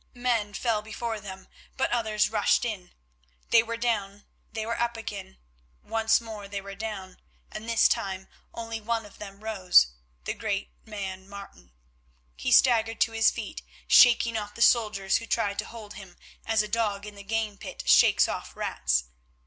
Men fell before them, but others rushed in. They were down, they were up again, once more they were down, and this time only one of them rose, the great man Martin. He staggered to his feet, shaking off the soldiers who tried to hold him, as a dog in the game pit shakes off rats.